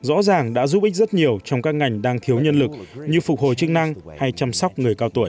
rõ ràng đã giúp ích rất nhiều trong các ngành đang thiếu nhân lực như phục hồi chức năng hay chăm sóc người cao tuổi